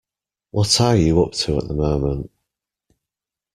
What are you up to at the moment?